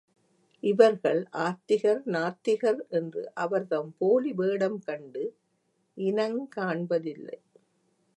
இவர்கள் ஆத்திகர் நாத்திகர் என்று அவர்தம் போலி வேடம் கண்டு, இனங்காண்பதில்லை.